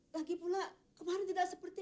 jangan banyak ngomong pergi